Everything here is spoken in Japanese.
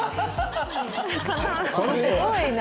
すごいな。